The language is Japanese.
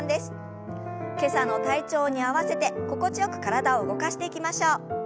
今朝の体調に合わせて心地よく体を動かしていきましょう。